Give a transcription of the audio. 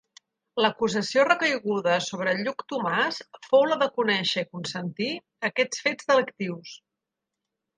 L'acusació recaiguda sobre Lluc Tomàs fou la de conèixer i consentir aquests fets delictius.